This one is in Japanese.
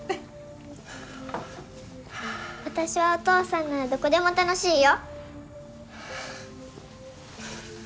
私はお父さんならどこでも楽しいよ。